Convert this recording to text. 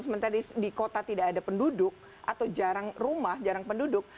sementara di kota tidak ada penduduk atau jarang rumah jarang penduduk